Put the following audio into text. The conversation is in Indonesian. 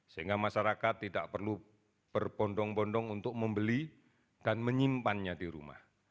sehingga masyarakat tidak perlu berbondong bondong untuk membeli dan menyimpannya di rumah